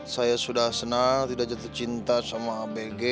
saya sudah senang tidak jatuh cinta sama bg